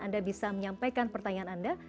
anda bisa menyampaikan pertanyaan anda